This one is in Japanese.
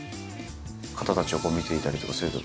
方たちを見ていたりとかすると。